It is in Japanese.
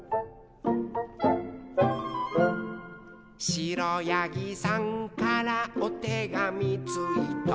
「しろやぎさんからおてがみついた」